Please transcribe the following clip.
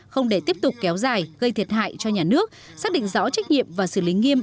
không để tiếp tục kéo dài gây thiệt hại cho nhà nước xác định rõ trách nhiệm và xử lý nghiêm